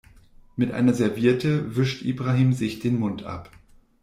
Mit einer Serviette wischt Ibrahim sich den Mund ab.